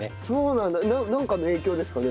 なんかの影響ですかね？